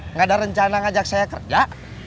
nggak ada rencana ngajak saya kerja